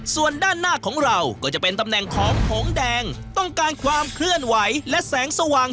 ส่วนด้านหน้าของเราก็จะเป็นตำแหน่งของหงแดงต้องการความเคลื่อนไหวและแสงสว่าง